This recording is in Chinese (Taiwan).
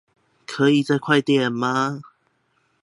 可以再快點嗎